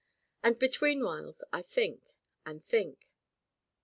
And betweenwhiles I think and think.